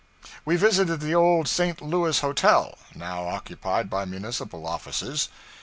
We visited the old St. Louis Hotel, now occupied by municipal offices.